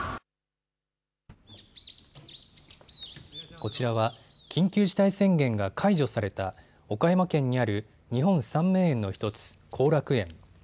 こちらは緊急事態宣言が解除された岡山県にある日本三名園の１つ、後楽園。